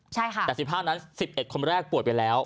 ใช่ค่ะแต่๑๕นั้น๑๑คนแรกป่วยไปแล้ว